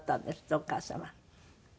お母様。